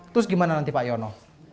terus gimana nanti pak yono